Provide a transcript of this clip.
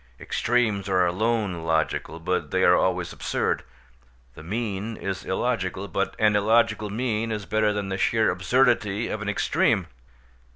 Extremes are alone logical, but they are always absurd; the mean is illogical, but an illogical mean is better than the sheer absurdity of an extreme.